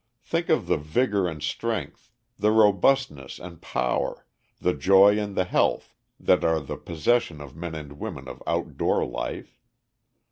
Think of the vigor and strength, the robustness and power, the joy and the health, that are the possession of men and women of outdoor life.